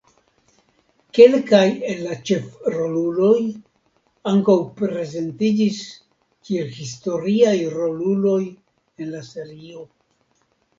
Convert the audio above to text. Kelkaj el la ĉefroluloj ankaŭ prezentiĝis kiel historiaj roluloj en la serio.